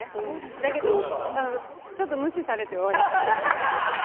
だけどちょっと無視されて終わった。